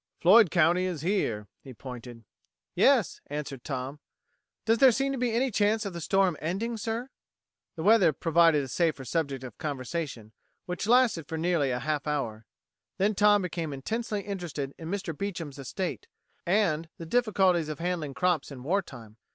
Floyd County is here." He pointed. "Yes," answered Tom. "Does there seem to be any chance of the storm ending, sir?" The weather provided a safer subject of conversation, which lasted for nearly a half hour. Then Tom became intensely interested in Mr. Beecham's estate, and the difficulties of handling crops in war time.